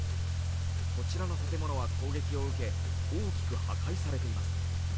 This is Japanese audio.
こちらの建物は攻撃を受け大きく破壊されています。